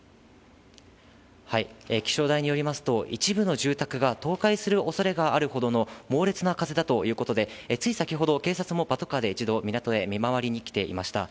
気象台によりますと、一部の住宅が倒壊するおそれがあるほどの猛烈な風だということで、つい先ほど、警察もパトカーで一度港へ見回りに来ていました。